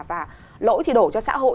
và lỗi thì đổ cho xã hội